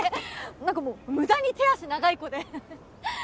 何かもう無駄に手足長い子でははっ。